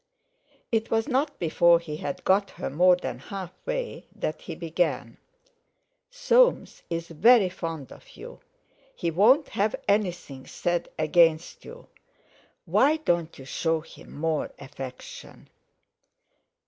It was not before he had got her more than half way that he began: "Soames is very fond of you—he won't have anything said against you; why don't you show him more affection?"